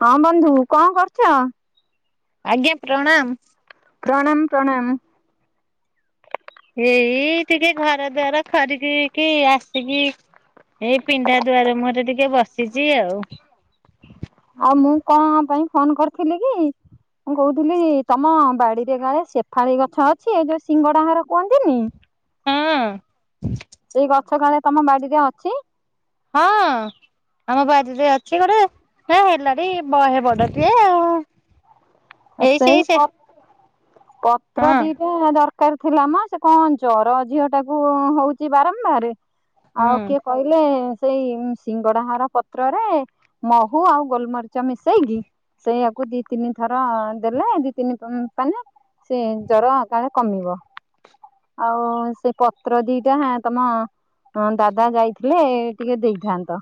ହଁ ବନ୍ଧୁ କଣ କରୁଚ। ଆଜ୍ଞା ପ୍ରଣାମ। ପ୍ରଣାମ ପ୍ରଣାମ। ଏଇ ଟିକେ ଘର ଦ୍ୱାର ଖରିକି କି ଆସିକି ଏଇ ପିଣ୍ଢା ଦୁଆର ମୁହଁରେ ଟିକେ ବସିଚି ଆଉ। ଆଉ ମୁଁ କଣ ପାଇଁ ଫୋନ କରିଥିଲି କି। ମୁଁ କହୁଥିଲି ତମ ବାଡିରେ କାଳେ ସେଫାଳି ଗଛ ଅଛି ଏ ଯୋଉ ସିଙ୍ଗଡା ହାର କୁହନ୍ତିନି। ହଁ ସେଇ ଗଛକାଳେ ତମ ବାଡିରେ ଅଛି। ହଁ। ଆମ ବାରରେ ଅଛି ଗୋଟେ ହେ ହେଲାଣି ବହେ ବଡ ଟିଏ ଆଉ। ଆ ଏଇ ସେଇ ସେ ପତ ପତ୍ର ହଁ ଦିଟା ଦରକାର ଥିଲା ମ ସେ କଣ ଚର ଝିଅ ଟାକୁ ହଉଚି ବାରମ୍ବାରେ। ଆଉ ହୁଁ। କିଏ କହିଲେ। ସେଇ ସିଙ୍ଗଡା ହର ପତ୍ରରେ ମହୁ ଆଉ ଗୋଲମରିଚ ମିଶେଇକି ସେଇଆକୁ ଦି ତିନି ଥର। ହଁ ଦେଲ ଦି ତିନି ପାନେ ସେ ଜର କାଳେ କମିବ। ଆଉ ସେ ପତ୍ର ଦିଟା ହେଁ ତମ ହଁ ଦାଦା ଯାଇଥିଲେ ଟିକେ ଦେଇଥାନ୍ତ।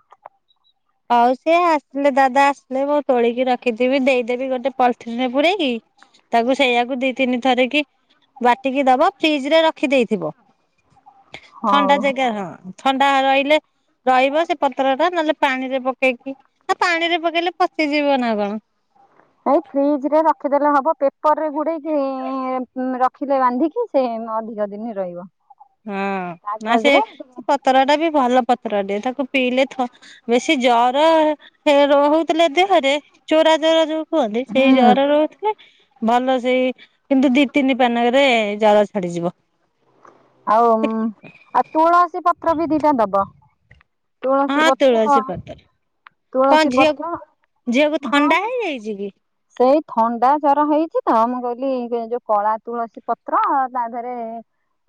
ହଉ ସିଏ ଆସିଲେ ଦାଦା ଆସିଲେ ମୁଁ ତୋଳିକି ରଖିଥିବି ଦେଇଦେବି ଗୋଟେ ପଲଥିନି ରେ ପୁଡେଇକି। ତାକୁ ସେଇଆାକୁ ଦି ତିନି ଥର କି ବାଟିକି ଦବ ଫ୍ରିଜ ରେ ରଖିଦେଇଥିବ। ହଉ। ଥଣ୍ଡା ଜାଗାରେ ହଁ ଥଣ୍ଡା ରହିଲେ ରହିବ ସେ ପତ୍ର ଟା ନହେଲେ ପାଣିରେ ପକେଇକି ଆଉ ପାଣିରେ ପକେଇଲେ ପଚିଯିବ ନା କଣ। ହଉ ଫ୍ରିଜ ରେ ରଖିଦେଲେ ହବ ପେପରରେ ଗୁଡେଇକି ରଖିଲେ ବାନ୍ଧିକି ସେ ଅଧିକ ଦିନ ରହିବ। ହଁ ନା ସେ କାଗଜରେ ପତର ଟା ବି ଭଲ ପତର ଟେ ତାକୁ ପିଇଲେ ଥ ବେଶୀ ଜର ରହୁଥିଲେ ଦେହରେ ଚୋରା ଜୋର ଯୋଉ। କୁହନ୍ତି, ସେଇ ହୁଁ ଜର ରହୁଥିଲେ ଭଲ ସେଇ କିନ୍ତୁ ଦି ତିନି ପାନରେ ଜର ଛାଡିଯିବ। ଆଉ ଆଉ ତୁଳସୀ ପତ୍ର ବି ଦିଟା ଦବ। ତୁଳସୀ ହଁ ପତ୍ର ତୁଳସୀ ପତ୍ର କଣ ତୁଳସୀ ଝିଅକୁ ପତ୍ର, ଝିଅକୁ ହଁ ଥଣ୍ଡା ବା ହେଇଯାଇଛି କି ସେଇ ଥଣ୍ଡା ଜର ହେଇଛି ତ, ମୁଁ କହିଲି ଯୋଉ କଳା ତୁଳସୀ ପତ୍ର ଆଁ ତାଧେରେ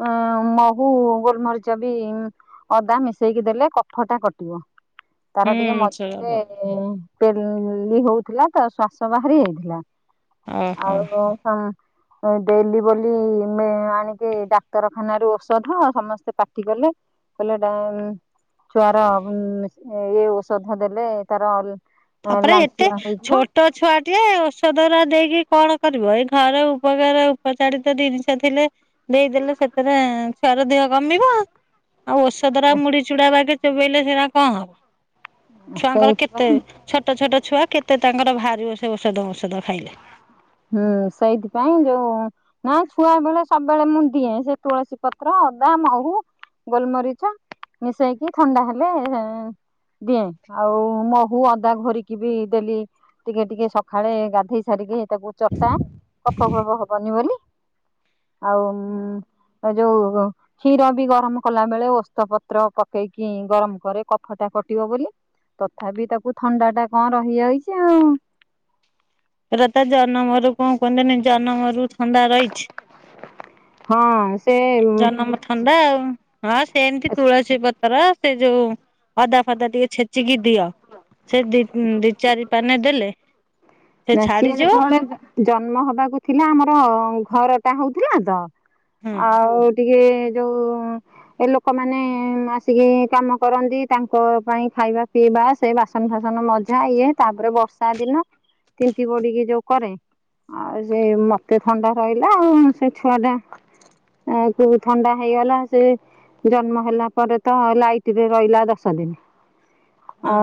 ଉମ୍ ମହୁ, ଗୋଲମରିଚ ବି ଅଦା ମିଶେଇକି ଦେଲେ, କଫଟା କଟିବ। ତାର ଟିକେ ହୁଁ ସେୟା ମଝିରେ ଭଲ ପେଲଲି ହଉଥିଲା ତ ଶ୍ଵାସ ବାହାରି ଯାଇଥିଲା, ଓହୋ ଆଉ ଦେଲି ବୋଲି ମେ ଆଣିକି ଡା ଡାକ୍ତରଖାନାରୁ ଔଷଧ, ସମସ୍ତେ ପାଟି କଲେ କହିଲେ ଏଇଟା ଉମ୍ ଛୁଆର ଉମ୍ ଇଏ ଔଷଧ ଦେଲେ ତାର ତାପରେ ଏତେ ଲାଞ୍ଚୁଆ ହେଇଯିବ ଛୋଟ ତ ଛୁଆଟିଏ ଔଷଧ ଗୁରା ଦେଇକି କଣ କରିବ? ଏଇ ଘର ଉପକାର ଉପଚାରିତ ଜିନିଷ ଥିଲେ ଦେଇଦେଲେ ସେଥିରେ ଛୁଆର ଦେହ କମିବ। ଆଉ ଔଷଧ ଗୁରା ମୁଡି ଚୁଡା ବାଗେ ଚୋବେଇଲେ ସେଇରା କଣ ହବ? ଛୁଆଙ୍କର କେତେ ସେଇଥିପାଇଁ ଛୋଟ ଛୋଟ ଛୁଆ, କେତେ ତାଙ୍କର ବାହାରିବ ସେ ଔଷଧ ମୋଷଦ ଖାଇଲେ। ହୁଁ, ସେଇଥିପାଇଁ ଯୋଉ ନା ଛୁଆ ବେଳେ ସବୁବେଳେ ମୁଁ ଦିଏ, ସେ ତୁଳସୀ ପତ୍ର, ଅଦା, ମହୁ ଗୋଲମରିଚ, ମିଶେଇକି ଥଣ୍ଡା ହେଲେ ହେଁ ଦିଏଁ ଆଉ ମହୁ ଅଦା ଘୋରିକି ବି ଦେଲି ଟିକେ ଟିକେ ସଖାଳେ ଗାଧେଇ ସାରିକି ହେଇ ତାକୁ ଚଟା, କଫ ଫପ ହବନି ବୋଲି। ଆଉ ଏ ଯୋଉ କ୍ଷୀର ବି ଗରମ କଲା ବେଳେ ଓସ୍ତ ପତ୍ର ପକେଇକି ଗରମ କରେ କଫଟା କଟିବ ବୋଲି। ତଥାପି ତାକୁ ଥଣ୍ଡାଟା କଣ ରହିଯାଇଛି ଆଉ। ଏଇଟା ତା ଜନମରୁ କଣ କୁହନ୍ତିନି ଜନମରୁ ଥଣ୍ଡା ରହିଛି। ହଁ। ସେ ଜନମ ଥଣ୍ଡା ଆଉ। ହଁ ସେମତି ତୁଳସୀ ପତର ସେ ଯୋଉ ଅଦା ଫଦା ଟିକେ ଛେଚିକି ଦିଅ। ସେ ଦି ଦି ଚାରି ପାନେ ନେ ଦେଲେ ସେ ନା ସିଏ ଛାଡିଯିବ ଯେତେବେଳେ ଜ-ଜନ୍ମ ହବାକୁ ଥିଲା, ଆମର ଘରଟା ହଉଥିଲା ତ ହଁ ଆଉ ଟିକେ ଯୋଉ ଏ ଲୋକମାନେ ଆସିକି କାମ କରନ୍ତି, ତାଙ୍କ ପାଇଁ ଖାଇବା ପିଇବା ସେ ବାସନ ଫାସନ ମଜା, ଇଏ ତାପରେ ବର୍ଷା ଦିନ ତିନ୍ତି ବୁଡ଼ିକି ଯୋଉ କରେ ଆଉ ସେ ମତେ ଥଣ୍ଡା ରହିଲା ଆଉ ସେ ଛୁଆଟା ଆ କୋଉ ଥଣ୍ଡା ହେଇଗଲା ସେ ଜନ୍ମ ହେଲା ପରେ ତ ଲାଇଟରେ ରହିଲା ଦଶ ଦିନି। ହଁ ଅ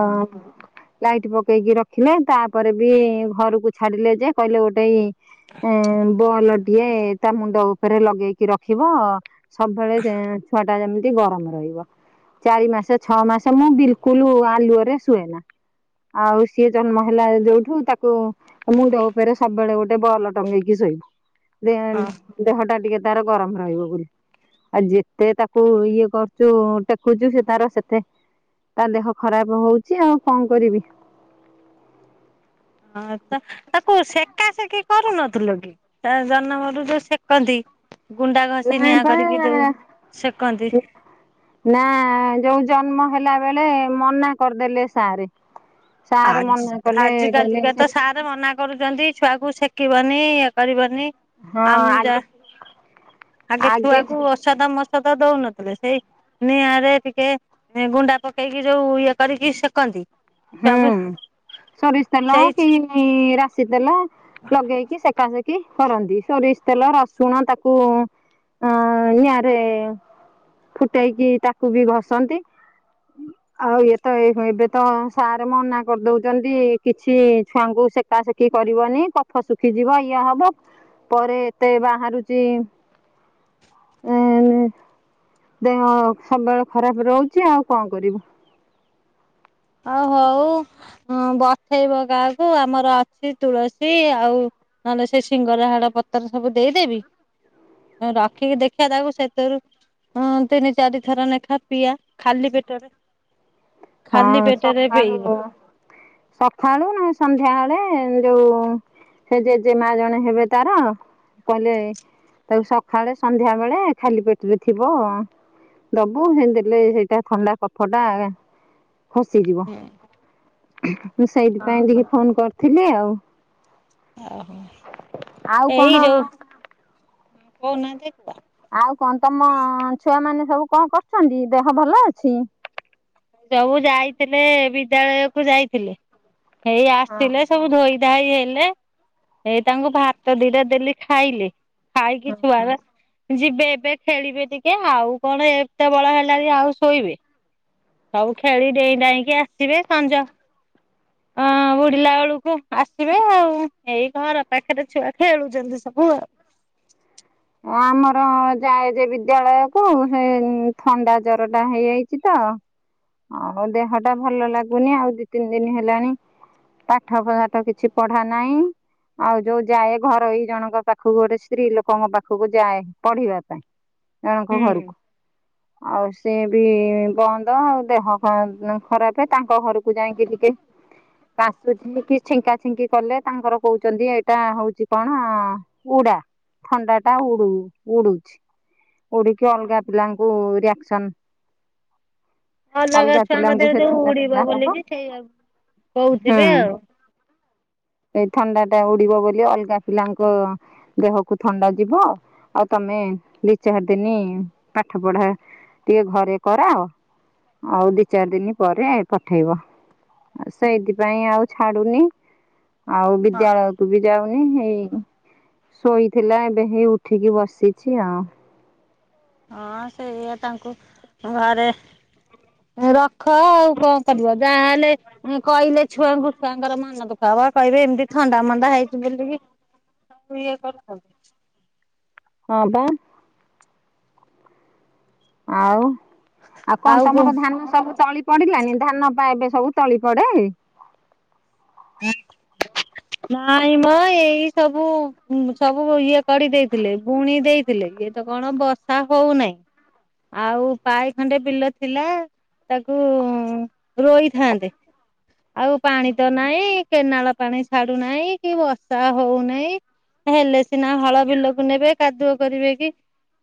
ଲାଇଟ୍ ପକେଇକି ରଖିଲେ, ତାପରେ ବି ଭିତରକୁ ଛାଡିଲେ ଯେ କହିଲେ ଗୋଟେଇ, ଇଁ ବଲ ଟିଏ ତା ମୁଣ୍ଡ ଉପରେ ଲଗେଇକି ରଖିବ, ସବୁବେଳେ ଯେ ଛୁଆଟା ଯେମିତି ଗରମ ରହିବ। ଚାରି ମାସେ, ଛଅ ମାସେ, ମୁଁ ବିଲକୁଲ ଆଲୁଅରେ ଶୁଏନା। ଆଉ ସିଏ ଜନ୍ମ ହେଲା ଯୋଉଠୁ ତାକୁ କୁ ମୁଣ୍ଡ ଉପରେ ସବୁବେଳେ ଗୋଟେ ବଲ ଟଙ୍ଗେଇକି ଶୋଇବୁ। ଦେନ୍ ହଁ ଦେହଟା ଟିକେ ତାର ଗରମ ରହିବ ବୋଲି। ଆଉ ଯେତେ ତାକୁ ଇଏ କରୁଚୁ ଟେକୁଚୁ, ସିଏ ତାର ସେତେ ତା ଦେହ ଖରାପ ହଉଛି ଆଉ କଣ କରିବି। ହଁ ତ ତାକୁ ସେକା ସେକି କରୁନଥିଲୁ କି, ତା ଜନମରୁ ଯୋଉ ସେକନ୍ତି? ଗୁଣ୍ଡା ଘଷି ନା ନିଆଁ କରିକି ଯୋଉ ପା ସେକନ୍ତି। ନା, ଯୋଉ ଜନ୍ମ ହେଲା ବେଳେ ମନା କରିଦେଲେ ସାରେ। ସାର ମନା କଲେ କଲେ ସେକା ମତେ ମନା କରୁଛନ୍ତି ଛୁଆ କ ଶକିବନି ଇଏ କରିବନି ହଁ ଆମ ଯା ଆଗେ ଆଗେ ଛୁଆକୁ ଓସାଧା ମୋସାଦା ଦଉନଥିଲେ ସେଇ ନିଆଁରେ ଟିକେ ଗୁଣ୍ଡା ପକେଇକି ଯୋଉ ଇଏ କରିକି ସେକନ୍ତି। ହୁଁ ଛୁଆଙ୍କୁ ସୁରିଶି ତେଲ ସେଇ କି ରାଶି ତେଲ ଲଗେଇକି ସେକା ସେକି କରନ୍ତି ସୋରିଷ ତେଲ ରସୁଣ ତାକୁ ଅ ନିଆଁରେ ଫୁଟେଇକି ତାକୁ ବି ଘଷନ୍ତି ଆଉ ଇଏ ତ ସାର୍ ମନା କରିଦଉଛନ୍ତି କିଛି ଛୁଆଙ୍କୁ ସେକା ସେକି କରିବନି ତ ଶୁଖିଯିବ ଇଏ ହବ ପରେ ଏତେ ବାହାରୁଛି ଏ ଦେହ ସବୁବେଳେ ଖରାପ ରହୁଛି ଆଉ କଣ କରିବୁ ଆଉ ହଉ ବଥେଇବ କାହାକୁ ଆମର ଅଛି ତୁଳସୀ ଆଉ ନହେଲେ ସେ ଶିଙ୍ଗରାହାର ପତର ସବୁ ଦେଇଦେବି ରଖିକି ଦେଖିବା ତାକୁ ସେଥିରୁ ହଁ ତିନି ଚାରି ଥର ଲେଖା ପିଆ ଖାଲି ପେଟରେ ହଁ ଖାଲି ପେଟରେ ପେଇବ। ସଖାଳୁ ସଖାଳୁ ନ ସନ୍ଧ୍ୟା ବଳେ ଯୋଉ ସେ ଜେଜେମା ଜଣେ ହେବେ ତାର କହିଲେ ତାକୁ ସଖାଳେ ସନ୍ଧ୍ୟା ବେଳେ ଖାଲି ପେଟ ରେ ଥିବ ଦବୁ ସେ ଦେଲେ ସେଇଟା ଥଣ୍ଡା କଫଟା ଖସିଯିବ ହୁଁ ମୁଁ ହଁ। ସେଇଥିପାଇଁ ଟିକେ ଫୋନ କରିଥିଲି ଆଉ ଓହୋ ଆଉ ଏଇ କଣ ଯୋଉ କହୁନାହାନ୍ତି କୁହ ଆଉ କଣ ତମ ଛୁଆମାନେ ସବୁକଣ କରୁଛନ୍ତି ଦେହ ଭଲଅଛି ସବୁ ଯାଇଥିଲେ ବିଦ୍ୟାଳୟ କୁ ଯାଇଥିଲେ ହେଇ ହଁ ଆସଥିଲେ ସବୁ ଧୋଇ [unintelligible] ହେଲେ ହେଇ ତାଙ୍କୁ ଭାତ ଦିଟା ଦେଲି ଖାଇଲି ଖାଇକି ହଁ ହଁ। ଛୁଆରେ ଯିବେ ଏବେ ଖେଳିବେ ଟିକେ ଆଉ କଣ ଏତେବଳ ହେଲାଣି ଆଉ ଶୋଇବେ ସବୁ ଖେଳି ଡେଇଁ ଡାଇଁକି ଆସିବେ ସଞ୍ଜ ହଁ ବୁଡିଲା ବେଳକୁ ଆସିବେ ଆଉ ଏଇ ଘର ପାଖରେ ଛୁଆ ଖେଳୁଛନ୍ତି ସବୁ ଆଉ ଆମର ଯାଏ ଯେ ବିଦ୍ୟାଳୟ କୁ ସେ ଥଣ୍ଡା ଜରଟା ହେଇଯାଇଚି ତ ହଉ ଦେହ ଟା ଭଲ ଲାଗୁନି ଆଉ ଦି ତିନି ଦିନ ହେଲାଣି ପାଠଶାଠ କିଛି ପଢା ନାହିଁ ଆଉ ଯୋଉ ଯାଏ ଘରୋଇ ଜଣଙ୍କ ପାଖକୁ ଗୋଟେ ସ୍ତ୍ରୀ ଲୋକଙ୍କ ପାଖ ପାଖକୁ ଯାଏ ପଢିବା ପାଇଁ ଜଣଙ୍କ ହୁଁ। ଘରକୁ ଆଉ ସିଏ ବି ବନ୍ଦ ଆଉ ଦେହ ଖରାପ ତାଙ୍କ ଘରକୁ ଯାଇଁକି ଟିକେ କାସୁଛି କି ଛିଙ୍କା ଛିଙ୍କି କଲେ ତାଙ୍କର କହୁଛନ୍ତି ଏଇଟା ହଉଛି କଅଣ ଉଡା ଥଣ୍ଡା ଟା ଉଡୁ ଉଡୁଛି ଉଡିକି ଅଲଗା ପିଲାଙ୍କ ଓ ରିଆକ୍ସନ୍ ଅଲଗା ଛୁଆଙ୍କ ପିଲାଙ୍କୁ ଦେହରେ ସେ ଯୋଉ ଥଣ୍ଡା ଉଡିବ ଥଣ୍ଡା ହବ ବୋଲିକି ସେଇଆକୁ ହୁଁ କହୁଥିବେ ଆଉ ଏଇ ଥଣ୍ଡା ଟା ଉଡିବ ବୋଲି ଅଲଗା ପିଲାଙ୍କ ଦେହକୁ ଥଣ୍ଡା ଯିବ ଆଉ ତମେ ଦି ଚାରି ଦିନି ପାଠ ପଢା ଟିକେ ଘରେ କରାଅ ଆଉ ଦି ଚାରି ଦିନ ପରେ ପଠେଇବ ସେଇଥିପାଇଁ ଆଉ ଛାଡୁନି ଆଉ ହଁ ବିଦ୍ୟାଳୟକୁ ବି ଯାଉନି ଏଇ ଶୋଇଥିଲା ଏବେ ହେଇ ଉଠିକି ବସିଛି ଆଉ ହଁ ସେଇଆ ତାଙ୍କୁ ଘରେ ରଖ ଆଉ କଣ କରିବ ଯାହାହେଲେ କହିଲେ ଛୁଆଙ୍କୁୁ ତାଙ୍କର ମନ ଦୁଃଖ ହବ କହିବେ ଏମିତି ଥଣ୍ଡା ମଣ୍ଡା ହେଇଛି ବୋଲିକି ସବୁ ଇଏ କରୁଛନ୍ତି [unintelligible] ହଁ ବା ଆଉ ଆଉ କଣ ତମର ଧାନ ସବୁ ତଳି ପଡିଲାନି ଧାନ ପା ଏବେ ସବୁ ତଳି ପଡେ ନାଇଁ ମ ଏଇ ସବୁ ସବୁ ଇଏ କରିଦେଇଥିଲେ ବୁଣିଦେଇ ଥିଲେ ଇଏ ତ କଣ ବର୍ଷା ହଉନାହିଁ ଆଉ ପାଏ ଖଣ୍ଡେ ବିଲ ଥିଲା ତାକୁ ରୋଇଥାନ୍ତେ ଆଉ ପାଣିତ ନାହିଁ କେନାଳ ପାଣି ଛାଡୁନାହିଁ କି ବର୍ଷା ହଉନାହିଁ। ହେଲେ ସିନା ହଳ ବିଲକୁ ନେବେ କାଦୁଅ କରିବେ କି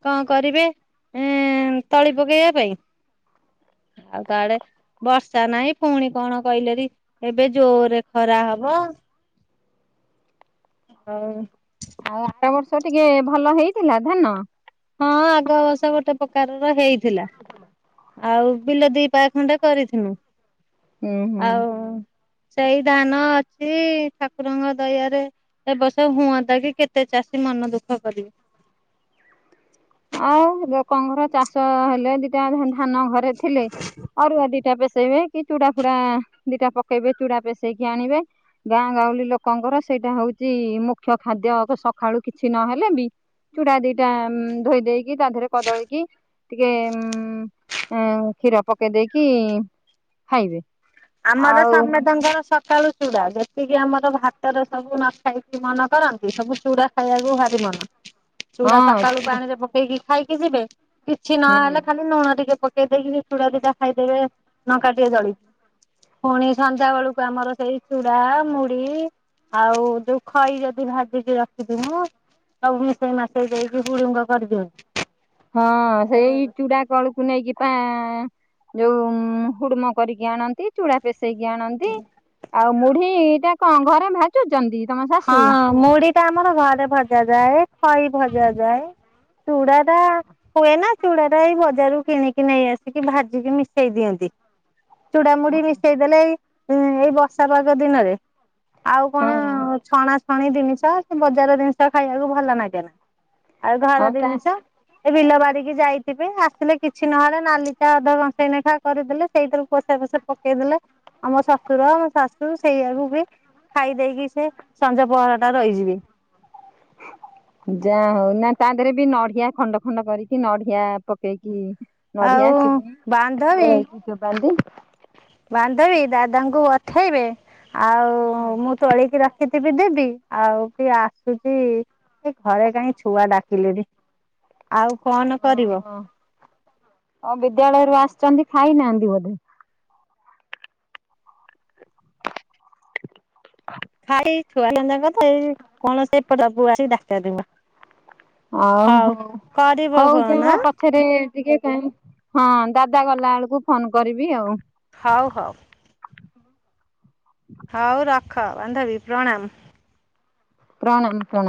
କଣ କରିବେ ଏ ତଳି ପକେଇବା ପାଇଁ ଆଉ ଗାଡେ ବର୍ଷା ନାହିଁ ପୁଣି କଣ କହିଲେରି ଏବେ ଜୋରେ ଖରା ହବ ହଉଁ ଆଉ ଆର ବର୍ଷ ଟିକେ ଭଲ ହେଇଥିଲା ଧାନ ହଁ ଆଗ ବସ ଗୋଟେ ପ୍ରକାରର ହେଇଥିଲା ଆଉ ବିଲ ଦି ପା ଖଣ୍ଡେ କରିଥିନୁ ହୁଁ ହୁଁ। ଆଉ ସେଇ ଧାନ ଅଛି ଠାକୁରଙ୍କ ଦୟା ରେ ଏ ବର୍ସ ହୁଅନ୍ତା କି କେତେ ଚାଷୀ ମନ ଦୁଃଖ କରିବେ। ଆଉୋକଘର ଚାଷ ହେଲେ ଦିଟା ଧାନ ଘରେ ଥିଲେ ଅରୁଆ ଦିଟା ପସେଇବେ କି ଚୁଡ଼ା ଫୁଡା ଦିଟା ପକେଇବେ ଚୁଡ଼ା ପସେଇକି ଆଣିବେ। ଗାଁ ଗାଉଳି ଲୋକଙ୍କର ସେଇଟା ହଉଛି ମୁଖ୍ୟ ଖାଦ୍ୟ ସଖଳୁ କିଛି ନହେଲେ ବି ଚୂଡା ଦିଟା ଧୋଇ ଦେଇକି ତା ଦେହରେ କଦଳୀ କିି ଟିକେ ଉ କ୍ଷୀର ପକେଇ ଦେଇକି ଖାଇବେ। ଆମର ଆଉ ସମେତଙ୍କର ସକାଳୁ ଚୁଡ଼ା ଯେତିକି ଆମର ଭାତରେ ସବୁ ନ ଖାଇକି ମନ କରନ୍ତି ସବୁ ଚୁଡ଼ା ଖାଇବାକୁ ଭାରି ମନ ହୁଁ ହଁ ଚୁଡା ସକାଳୁ ପାଣି ରେ ପକେଇକି ଖାଇକି ଯିବେ କିଛି ହୁଁ ନହେଲେ ଖାଲି ଲୁଣ ଟିକେ ଦେଇକି ଚୂଡ଼ ଦଟା ଖାଇଦେବେ ନ କା ଟିକେ ଜଳିଯିବ ପୁଣି ସନ୍ଧ୍ୟା ବେଳକୁ ଆମର ସେଇ ଚୁଡା ମୁଢି ଆଉ ଯୋଉ ଖଇ ଯଦି ଭାଜିକି ରଖିିବି ହଁ ସବୁ ମିଶେଇ ମାସେଇ ଦେଇକି ଗୁଡଙ୍କ କରିଦିଅନ୍ତିୁ ହଁ ସେଇ ଚୁଡା କଳୁ କୁ ନେଇକି ପା ଯୋଉ ହୁଡ଼ୁମ କରିକି ଆଣନ୍ତି ଚୁଡା ପେଷେଇକି ଆଣନ୍ତି ଆଉ ମୁଢିଟା କଣ ଘରେ ଭାଜୁଛନ୍ତି ତମ ସା ହଁ ମୁଢି ଟା ଆମର ଘରେ ଭଜା ଯାଏ ଖଇ ଭଜା ଯାଏ ଚୁଡ଼ଦା ହୁଏ ନା ଚୁଡା ଟା ଏଇ ବଜାରରୁ କିଣିକି ନେଇ ଆସିକି ଭାଜିକି ମିଶେଇ ଦିଅନ୍ତି। ଚୁଡ଼ାମୁଡି ମିଶେଇ ଦେଲେ ଏଇ ଏଇ ବର୍ଷା ପାଗ ଦିନରେ ଆଉ ହଁ କଣ ଛଣାଛଣି ଜିନିଷ ସେ ବଜାର ଜିନିଷ ଖାଇବାକୁ ଭଲ ଲାଗେ ନା ଆଉ ଘର ହଁ ତା ଜିନିଷ ଏ ବିଲ ବାଡିକି ଯାଇଥିବେ ଆସିଲେ କିଛି ନହେଲେ ନାଲି ଚା ଅଧ ଘଂସେଇ ନେଖା କରିଦେଲେ ସେଇଠାରୁ ପୋଷା ପଷେ ପକେଇଦେଲେ ଆମ ଶ୍ୱଶୁର ଆମ ଶାଶୁ ସେଇଆକୁ ବି ଖାଇ ଦେଇକି ସେ ସଞ୍ଜ ପହରା ଟା ରହିଯିବି ଯା ହଉ ନା ତା ଦେହରେ ବି ନଡିଆ ଖଣ୍ଡ ଖଣ୍ଡ କରିକି ନଡିଆ ପକେଇକି ଆଉ ନଡିଆ ଚିନି ବାନ୍ଧବୀ ବଳେଇକି ଚୋବାନ୍ତି। ବାନ୍ଧବୀ ଦାଦାଙ୍କୁ ଅଠେଇବେ ହୁଁ ଆଉ ମୁଁ ତୋଳିକି ରଖିଥିବି ଦେବି ଆଉ ଟିକେ ଆସୁଚ ଏ ଘରେ କାହିଁ ଛୁଆ ଡାକିଲେନି ଆଉ କଣ? ଓହୋ ହଉ ବିଦ୍ୟାଳୟରୁ ଆସିଛନ୍ତି ଖାଇନାହାନ୍ତି ବୋଧେ [unintelligible] ଆଉ ହଉ, କରିବ ହଉ ଫୋନ ଯାହା କ ଏଥରେ ଟିକେ [unintelligible] ହଁ ଦାଦା ଗଲା ବେଳକୁ ଫୋନ କରିବି ଆଉ। ହଉ ହଉ। ହଉ ରଖ, ବାନ୍ଧବୀ ପ୍ରଣାମ। ପ୍ରାଣମ ପ୍ରଣାମ।